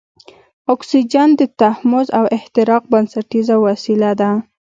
اکسیجن د تحمض او احتراق بنسټیزه وسیله ده.